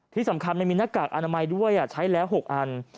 ที่สำคัญมันมีหน้ากากอนามัยด้วยใช้แล้ว๖อัน